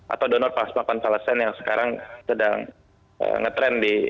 atau donor pasmakan falesen yang sekarang sedang ngetrend